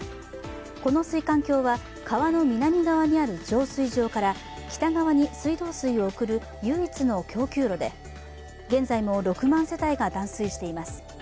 この水管橋は、川の南側にある浄水場から北側に水道水を送る唯一の供給路で現在も６万世帯が断水しています。